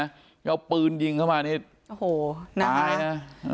เอาปืนยิงเข้ามานี่โอ้โหตายนะ